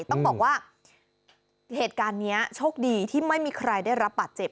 ต้องบอกว่าเหตุการณ์นี้โชคดีที่ไม่มีใครได้รับบาดเจ็บ